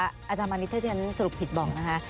อาจารย์มานิดถ้าที่ฉันสรุปผิดบอกนะคะ